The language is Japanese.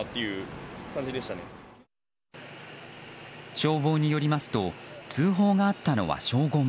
消防によりますと通報があったのは正午前。